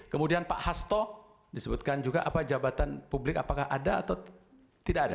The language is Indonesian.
kemudian pak hasto disebutkan juga apa jabatan publik apakah ada atau tidak ada